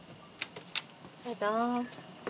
どうぞ。